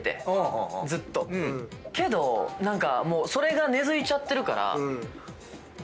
けど何かもうそれが根付いちゃってるから。